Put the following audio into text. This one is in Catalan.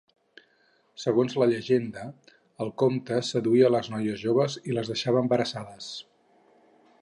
Segons la llegenda, el comte seduïa les noies joves i les deixava embarassades.